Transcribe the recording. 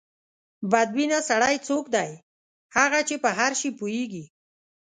بد بینه سړی څوک دی؟ هغه چې په هر شي پوهېږي.